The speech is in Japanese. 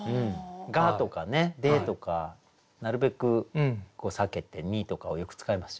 「が」とかね「で」とかなるべく避けて「に」とかをよく使いますよね。